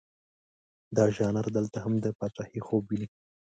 دا ژانر دلته هم د پاچهي خوب ویني.